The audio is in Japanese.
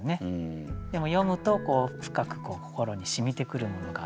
でも読むと深く心にしみてくるものがあると。